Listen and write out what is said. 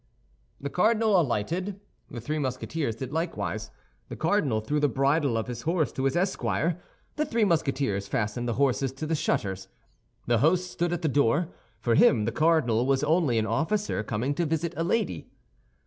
The cardinal alighted; the three Musketeers did likewise. The cardinal threw the bridle of his horse to his esquire; the three Musketeers fastened the horses to the shutters. The host stood at the door. For him, the cardinal was only an officer coming to visit a lady.